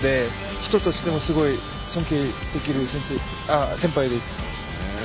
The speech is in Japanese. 人としてもすごい尊敬できる先生先輩です。